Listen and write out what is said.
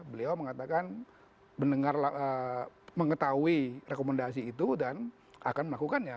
beliau mengatakan mendengar mengetahui rekomendasi itu dan akan melakukannya